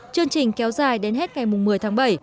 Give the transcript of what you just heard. chương trình kéo dài đến hết ngày một mươi tháng bảy